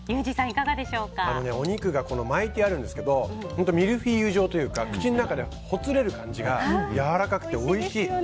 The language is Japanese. お肉が巻いてあるんですけどミルフィーユ状というか口の中でほつれる感じがやわらかくておいしい！